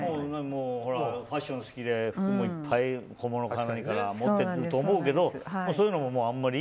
ファッション好きでいっぱい小物から何から持っていると思うけどそういうのもあまり？